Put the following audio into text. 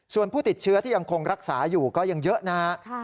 ส่วนผู้ติดเชื้อที่ยังคงรักษาอยู่ก็ยังเยอะนะฮะ